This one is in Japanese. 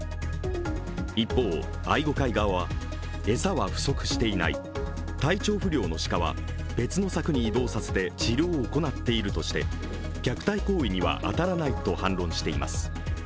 一方、愛護会側は餌は不足していない、体調不良の鹿は別の柵に移動させて治療を行っているとして、虐待行為に当たらないと反論しています。